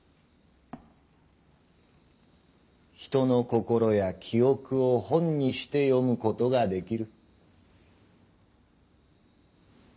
人の心や記憶を「本」にして読むことができる。